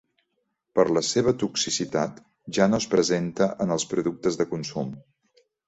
Per la seva toxicitat ja no es presenta en els productes de consum.